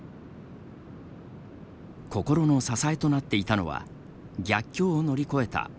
心の支えとなっていたのは逆境を乗り越えた